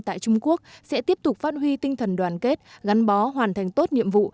tại trung quốc sẽ tiếp tục phát huy tinh thần đoàn kết gắn bó hoàn thành tốt nhiệm vụ